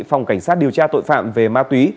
phòng cảnh sát điều tra tội phạm về ma túy